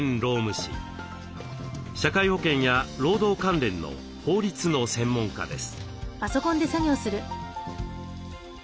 社会保険や労働関連の法律の専門家です。